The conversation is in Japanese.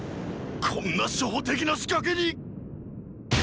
こんな初歩的な仕掛けに！